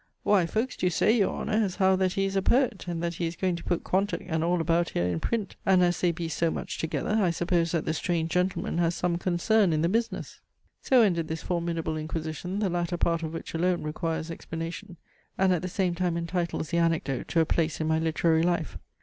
Why, folks do say, your Honour! as how that he is a Poet, and that he is going to put Quantock and all about here in print; and as they be so much together, I suppose that the strange gentleman has some consarn in the business." So ended this formidable inquisition, the latter part of which alone requires explanation, and at the same time entitles the anecdote to a place in my literary life.